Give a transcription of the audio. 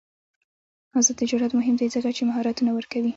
آزاد تجارت مهم دی ځکه چې مهارتونه ورکوي.